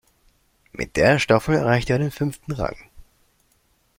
Mit der Staffel erreichte er den fünften Rang.